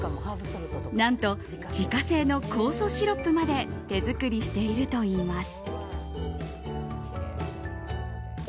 何と自家製の酵素シロップまで手作りしているといいます。